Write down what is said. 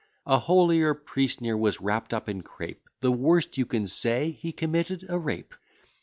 A holier priest ne'er was wrapt up in crape, The worst you can say, he committed a rape.